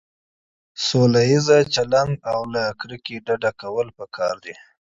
عدم تشدد او له کرکې ډډه کول پکار دي.